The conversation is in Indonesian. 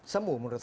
semuh menurut anda